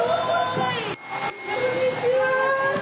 こんにちは。